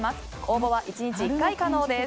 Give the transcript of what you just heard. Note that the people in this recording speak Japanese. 応募は１日１回可能です。